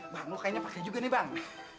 bang lo kayaknya pake juga nih bang